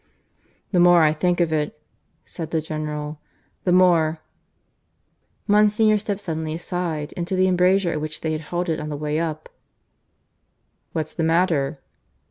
"The more I think of it," said the General, "the more " Monsignor stepped suddenly aside into the embrasure at which they had halted on the way up. "What's the matter?"